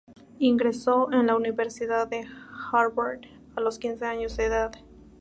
Ingresó en la Universidad de Harvard a los quince años de edad.